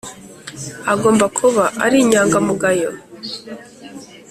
agomba kuba ari inyangamugayo,